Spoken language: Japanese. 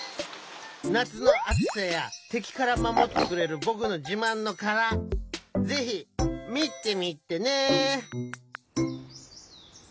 なつのあつさやてきからまもってくれるぼくのじまんのからぜひみてみてね！